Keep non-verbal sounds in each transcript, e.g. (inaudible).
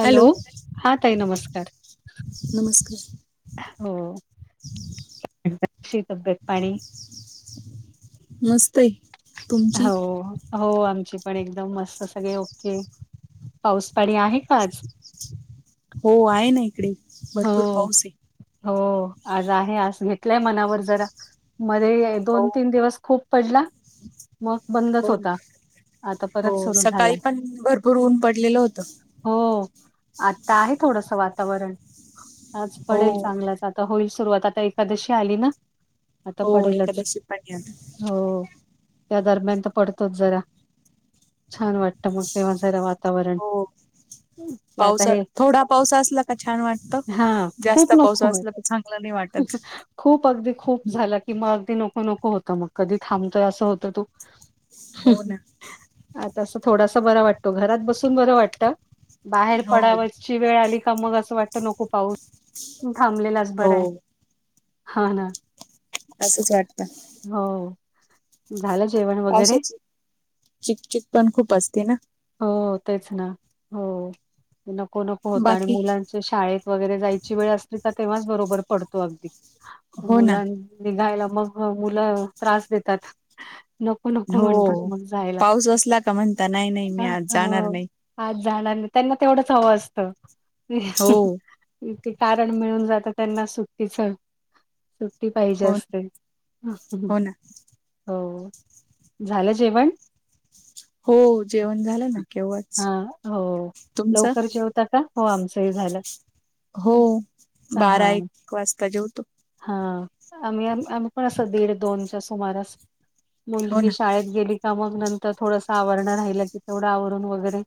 Hello हा ताई नमस्कार. नमस्कार होशी तब्येत पाणी मस्त. तुमची हो. हो आमची पण एकदम मस्त सगळे ओके पाऊस पाणी आहे काच हो आहे ना इकडे हो भरपूर पाऊस आहे. हो आज आहे आज घेतलाय मनावर जरा मध्ये हो दोन तीन दिवस खूप पडला मग हो बंदच ना. होता. आता हो परत सुरू सकाळी झालाय पण भरपूर ऊन पडलेलं होतं. हो आता आहे थोडस वातावरण. आज हो पडेल चांगलाच आता होईल सुरुवात आता एखकादशी आली ना. आता हो पडेलच एकादशी पण आहे आता हो त्या दरम्यान तर पडतोच जरा. छान वाटत मग तेव्हा स वातावरण हो आता पावसा हे. थोडा पावसा असला का छान वाटत हां, जास्त खूप पाऊस नको आहे. असला तर चांगलं नाही वाटत. खूप अगदी खूप हं. झाला कि मग अगदी नको नको होतं मग कधी थांबतोय असं होतं तू हं हो ना हं आता अस थोडासा बरा वाटतो घरात बसून बर वाटत. बाहेर हो पडावची वेळ आली का मग असं वाटत नको पाऊस थांबलेलाच हो बरं आहे. हा ना. असंच वाटतं. हो झालं. जेवण वगैरे? असच हाय चिकचिक पण खूप असते ना. हो तेच ना हो नको नको होत आणि बाकी मुलां च्या शाळेत वगैरे जायची वेळ असते का तेव्हाच बरोबर पडतो अगदी हो ना मुलां निघायला मग मुलं त्रास देतात नको नको हो म्हणतात मग जायला. पाऊस असला का म्हणता नाही नाही. मी आज अ जाणार नाही पाच जाणार नाही त्यांना तेवढंच हवं असत. हो मग ते कारण मिळून जातं त्यांना सुट्टीच ह. ते पाहिजे हो असते हो झालं जेवण. हो. जेवण झालं. ना केव्हाच हा हो तुमचं लवकर जेवता का हो आमचंही झालं. हो हा बारा एक वाजता जेवतो. हा आम्ही आम्ही पण असं दीड दोनच्या सुमारास. हो मुलगी ना शाळेत गेली का मग नंतर थोडस आवरणं राहिलं की तेवढं आवरून वगैरे.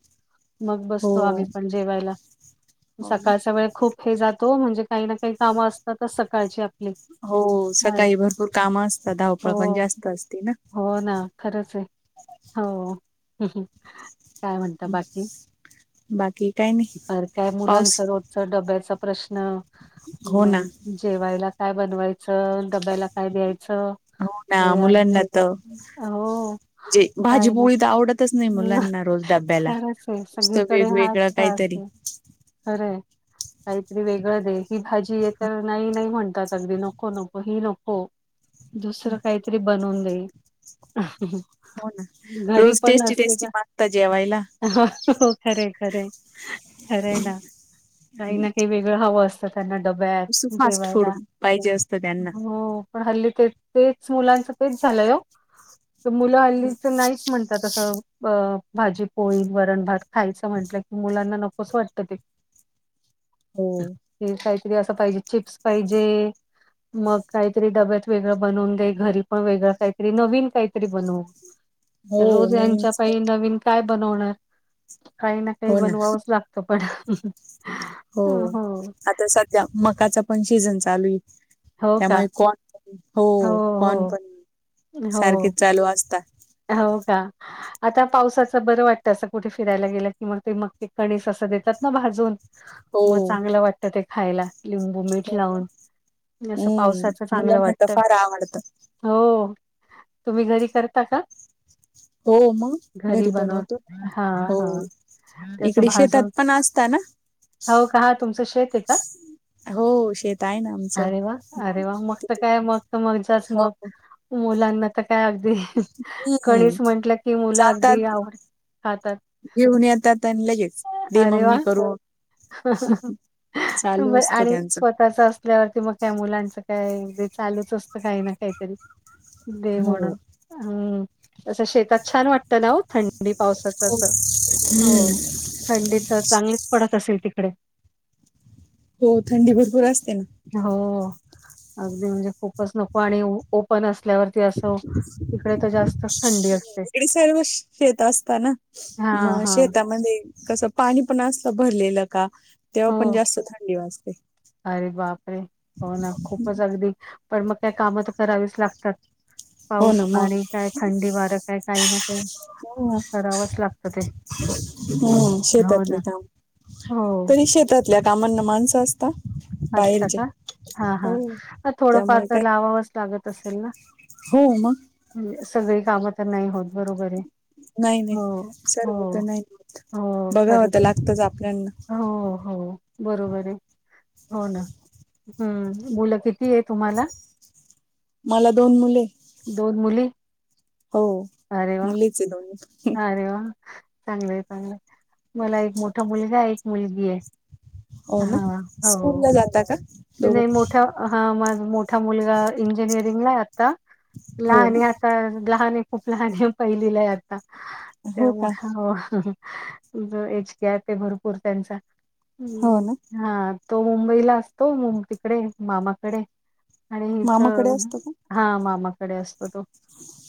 मग हो बसतो आम्ही पण जेवायला हो ना सकाळच्या वेळे खूप हे जातो म्हणजे काही ना काही कामं असतातच सकाळची आत हो सकाळी भरपूर काम असतात धावपळ पण हो, जास्त असती ना. हो ना खरंच आहे हो हं हं काय म्हणत बाकी. बाकी काही नाही. बार काय पाऊस मुलांचा रोजच डब्याचा प्रश्न हो ना मग. जेवायला काय बनवायचं डब्याला काय द्यायचं. हो ना हे आणत्यात मुलांना तर आ हो. जे काय भाजीपोळी तर आवडतच नाही ना मुलांना रोज डब्याला खरच (unintelligible) आहे नुसतं सगळीकडे वेगवेगळं हाच तास काहीतरी आहे खरे हाय. काहीतरी वेगळं दे ही भाजी य तर नाही नाही म्हणतात अगदी नको नको ही नको. दुसरं काहीतरी बनवून देईल. हो ना घरी रोज पण टेस्टी नसले टेस्टी का मागता जेवायला. हो खरे खरे खरं आहे ना काही ना काही वेगळं हवं असतं. तर त्यांना नुसतं डब्यात फास्ट फूड जेवायला पाहिजे असतं त्यांना हो. पण हल्ली ते तेच मुलांचं तेच झालंय. तर मुलं हल्लीच नाहीच म्हणतात अससं अ भाजी पोळी वरण भात खायचं म्हटलंय. मुलांना नकोस वाटत ते. हो हे काहीतरी असं पाहिजे चिप्स पाहिजे. मग काहीतरी डब्यात वेगळं बनवून दे घरी पण वेगळं काहीतरी नवीन काहीतरी बनव. हो रोज यांच्या नवीनच पाय नवीन काय बनवणार काही ना काही बनवावंच लागतं पण. हो आता सध्या मकाचा पण शिजन चालू आहे. हो का? त्यामुळे कॉन हो कॉनप सारखे हो. चालू असतात. हो का. आता पावसाचं बरं वाटतं असं कुठे फिरायला गेलं की मग ते मग ते कणीस असं देतात ना भाजून हो मग चांगलं वाटतं ते खायला. लिंबू मठ हो लावून असं पावसाच हम्म चांगलं मुलांना तर वाटत. फार आवडतं हो तुम्ही घरी करता का हो मग घरी बनवून बनवतो हां, हो हां. त्याचं इकडे भाजून शेतात पण असता ना. हो का तुमचं शेत आहे का? हो शेत आहे ना आमचं अरे वा मग अरे वा मगत तिथे काय पण मग मग जाच मग हो मुलांना तर काय अगदी हम् कणीस जात. हा तर घेऊन येतात आणि लगेच दे मम्मी करू. बर असतो आणि त्यांचं स्वतः असल्यावरती मग त्या मुलांचं काय चालूच असतं काही ना काहीतरी दे हो मडम हम् तसं शेतात छान वाटत ना हो थंडी पावसाच असं हम्म हो. थंडी तर चांगलीच पडत असेल तिकडे. हो थंडी भरपूर असते ना. हो अगदी म्हणजे खूपच न पाणी ओपन असल्यावरती असं. तिकडे तर जास्तच थंडी असते. वडी साड व शेत असत ना हां, मग हां. शेतामध्ये कसं पाणी पण असत भरलेलं का तेव्हा हो. पण जास्त थंडी वाजते. अरे बाप रे हो ना खूपच अगदी पण मग काय काम तर करावीच लागतात. हो पाऊस ना आणि काय थंडी वार काय काही ना का? करावच लागतं ते हम् हो शेतातली ना. काम हो. तरी शेतातल्या कामांना माणसं असत. असतं का हा हा थोडंफार त्यामुळे तर काय लावावंच लागत असेल ना. हो मग म्हणजे सगळी कामं तर नाही होत बरोबर आहे. नाही नाही हो, सर्व हो, होत नाही होत हो. बघाव खरंच तर आहे. लागतच आपल्याना हो हो बरोबर आहे. हो ना हम् मुलं किती आहे तुम्हाला मला दोन मुले दोन मुली हो अरे वाह! मुलीचे दोन अरे वा चांगलंय चांगलंय मला एक मोठा मुलगा एक मुलगी आहे हो ना हां, हो. स्कूलला जात का? नाही दोघं मोठा हा माझ मोठा मुलगा इंजिनिअरिंगला आता हो लहान ना तर लहान खूप लहान पहिलीला आहे आता त्या हो का जो एचक आहे ते भरपूर त्यांचा हो ना हा तो मुंबईला अस. तो म तिकडे मामाकडे आणिच मामाकडे असतो का? हा मामाकडे असतो तो.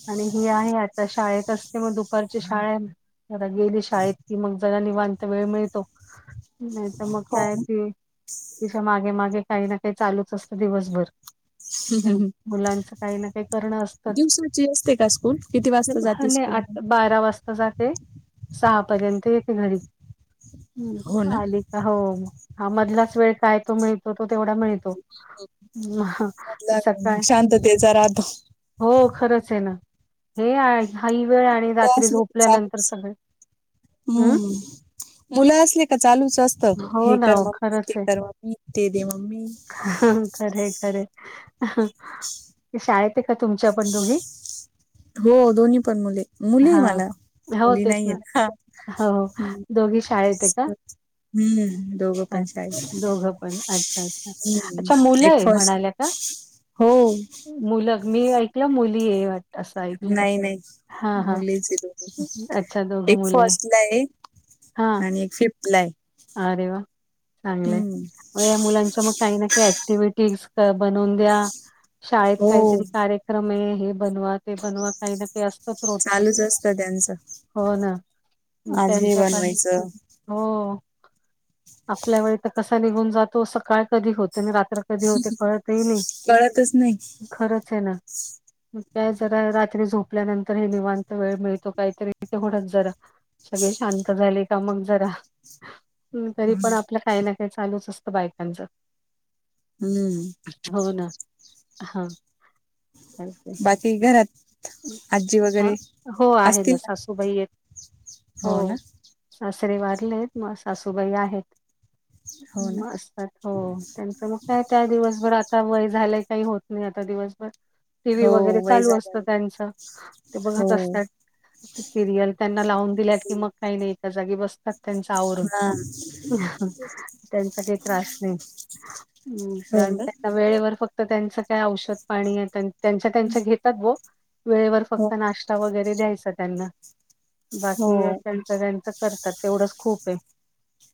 आणि ही आहे आता शाळेतसते मग दुपारची शाळा आहे. जरा गेली शाळेत कि मग जगा निवांत वेळ मिळतो नाही तर मग काय हो. ते तिच्या मागे मागे काही ना काही चालूच असतं दिवसभर मुलांच काही ना काही करणं असतच. दिवसाची असते का स्कूल? किती वाजता जाते स्कूल? बारा वाजता जाते सहा पर्यंत येते घरी हो ना. आली. होा मधलाच वेळ काय तो मिळतो तो तेवढा मिळतो ह मधला वेळ मग सकाळ शांततेचा राहतो. हो खरंच आहे ना हे हही वेळ आणि मुलं रात्री झोपल्यानंतर सगळें ममम मुलं असले का चालूच असत हो हे ना कर हो मम्मी ते कर मम्मी ते दे मम्मी ह खरे खरे क शाळेत आहे का तुमच्या पण दोघी हो दोन्ही पण मुले मुली हा मला हो मुली तेच नाहीये ना हो हम्म. दोघी शाळ येते का हम्म दोघो पंचायत अच्छ अच्ा अच्छा एक मुलं फर्स्ट म्हणाल्या का हो. मुलं मी ऐकलं मुली आहे असं ऐकलं. नाही नाही हां, हां. मुलीचे दोन अच्छा दोघं एक मुलं फस्टला आहे हां. आणि एक फिफ्थ ला आहे अरे वा चांगलंय हम्म या मुलांच्या मग काही ना काही ऍक्टिव्हटीज बनवून द्या शाळेत हो काहीतरी कार्य ्रमे हे बनवा ते बनवा काही न ते असतच रोजच चालूच असतं त्यांचं हो ना आज हे त्यांच्या पाय बनवायचं हो आपल्या वेळी तर कसा निघून जातो सकाळ कधी होते आणि रात्री कधी होते कळत येईल कळतच नाही खरंच आहे ना काय जरा रात्री झोपल्यानंतर हे निवांत वेळ मिळतो काहीतरी ते होणारच जरा सगळे शांत झाले का मग जरा तरी पण आपलं काही ना काही चालूच असतं बायकांच हम्म हो ना हा चा बाकी घरात आजी हा वगैरे हो आहे ना सासूबाई येत हो ना सासरे वाारलेत मग सासूबाई आहेत हो ना असतात हो त्यांच मग काय त्या दिवसभर आता वय झालंय काही होत नाही आता दिवसभर टी व्ही हो वगैरे वय चालू असतं झालं त्यांचं ते हो बघत असतात सिरियल त्यांना लावून दिल्यात कि मग काही नाही एका जागी बसतात त्यांचं आवरून त्यांचा काही ब त्रास नाही् ना त्यांना वेळेवर फक्त त्यांचं काय औषध पाणी आहे त्यांच्या त्यांच्या घेतात ब वेळेवर हो फक्त नाश्ता वगैरे द्यायचा त्यांना हो बाकी त्यांचं त्यांच करतात तेवढंच खूप आहे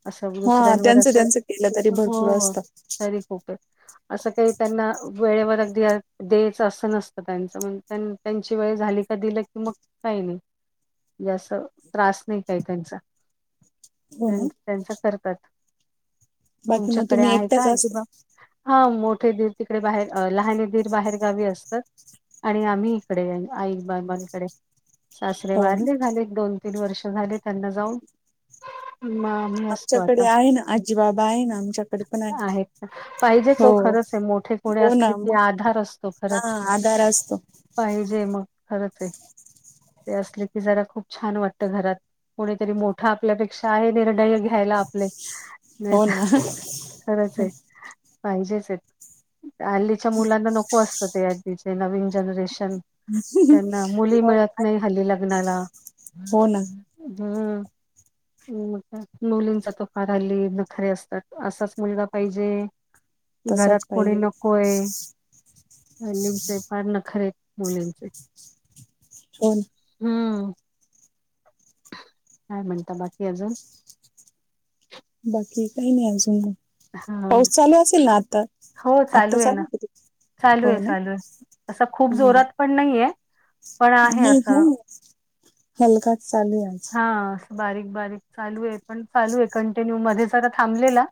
असं हा दुसऱ्यांवर त्यांचं असं त्यांचं केलं तरी भरपूर हो असतं तरी खूप आहे असं काही त्यांना वेळेवर अगदी द्यायचं असं नसतं त्यांचं म्हण त्यां त्यांची वेळ झाली का दिलं की मग काही नाही जस त्रास नाही काही त्यांचा हो ना त्यांचा करतात बाकी मग तुमच्याकडे तुम्ही आहे का एकट्याच असता अजिबा हा मोठे दीर तिकडे बाहेर लहाने दीर बाहेरगावी असतात आणि आम्ही इकडे आई बाबाांकडे सासरे हो ना वारले झाले दोन तीन वर्ष झाले त्यांना जाऊन म आमच्याकडे आहे ना आजीबाबा आहे ना आमच्याक आहेत पाहिजेचो खरंच आहे मोठे कोणी हो असले ना की मग आधार असतो हा खरंच आधार अस असतो पाहिजे मग खरंच आहे ते असले की जरा खूप छान वाटत घरात कोणीतरी मोठा आपल्यापेक्षा आहे निर्णय घ्यायला आपले हो ना खरच आहे पाहिजेच हल्लीच्या मुलांना नको असत ते त नवीन जनरेशन त्यांना मुली हो ना मिळत नाही हली लग्नाला हो ना हम्् मग नूलीनचा तुकारल् खरे असतात असाच मुलगा पाहिजे कि घरात तसच कोणी पाहिजे नको आहे फार नखरे मुलींचे हो हम्म काय म्हणता बाकी अजून बाकी काही नाही अजून हा पाऊस चालू असेल ना आता हो आता आहे ना चालू चालू आहे हो ना चालू आहे असं खूप हम्म जोरात पण नाहीये पण आहे नाही ह असं हलकाच चालू आहेज हा बारीक बारीक चालू आहे पण चालू आहे कंटिन्यू मध्ये जरा थांबलेला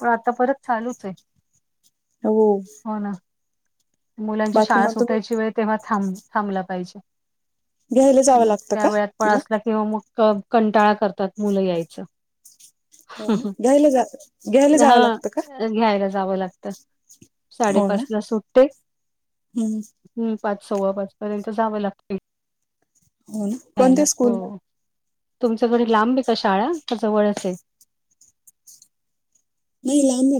पण आता परत चालूच आहे हो हो ना मुलांची बाकी शाळा मग तुम्ही सुटायची वेळ तेव्हा थांब थांबला पाहिजे घ्यायला जावं मग लागतं त्या का वेळात पण तिला असला कि मग कंटाळा करतात मुलं यायचं हो ना घ्यायला जा घ्यायला जावं हा लागतं का घ्यायला जावं लागत साडेपाच ला सुटते हम् हम् पाच सव्वा पाच पर्यंत जावं लागते हो ना यायला कोणत्या हो स्कूल तुमच्याकडे लांबी का शाळा जवळ अस आहे नाही लांबे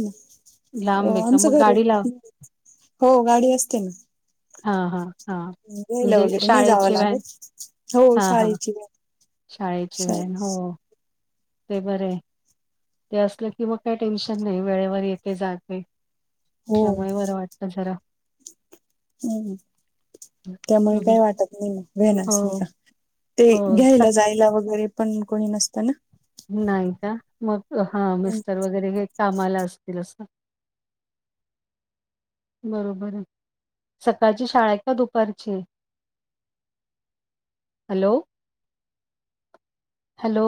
लांब आहे ना का आमचं मग घरी गाडी लाव हो गाडी असते ना हा हा हा घ्यायला म्हणजे वगैरे नाही जावं शाळेची वन लागत हो हा हा शाळेची शाळेची शाळे वॅन हो ते बरं आहे ते असलं की मग काय टेन्शन नाही वेळेवर येथे जाग हो त्यामुळेय बरं वाटत जरा हम् हं, त्यामुळे हं. काही वाटत नाही ना वन असली हो, का ते हो स घ्यायला जायला वगैरे पण कोणी नसताना नाही का मग हा मिस्तर वगैरे घ्याय कामाला असतील असं बरोबर आहे सकाळची शाळा आहे का दुपारची hello hello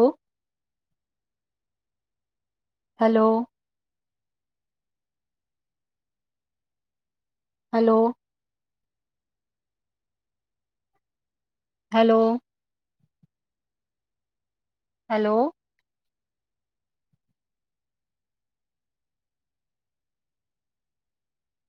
hello hello hello hello